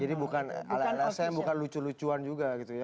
jadi bukan alasan lucu lucuan juga gitu ya